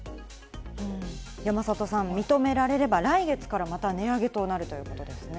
山里さん、認められれば来月からまた値上げとなるということですね。